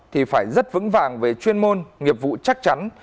thì phải rất vững vàng về chuyên môn nghiệp vụ chắc chắn